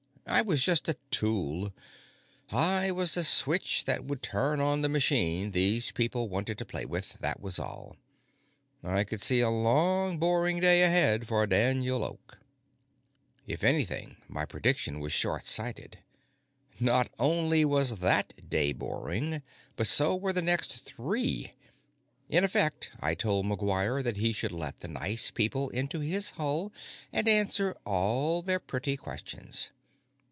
I was just a tool; I was the switch that would turn on the machine these people wanted to play with, that was all. I could see a long, boring day ahead for Daniel Oak. If anything, my prediction was short sighted. Not only was that day boring, but so were the next three. In effect, I told McGuire that he should let the nice people into his hull and answer all their pretty questions.